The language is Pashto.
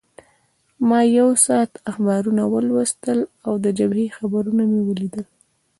ما یو ساعت اخبارونه ولوستل او د جبهې خبرونه مې ولیدل.